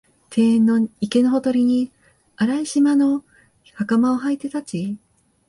庭園の池のほとりに、荒い縞の袴をはいて立ち、